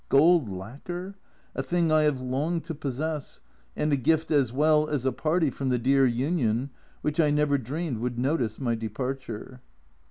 Gold lacquer ! A thing I have longed to possess, and a gift as well as a party from the dear Union, which I never dreamed would notice my departure.